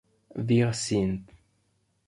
Wir sind.